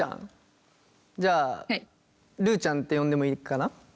じゃあるちゃんって呼んでもいいかな？